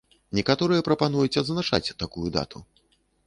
Некаторыя прапануюць адзначаць такую дату.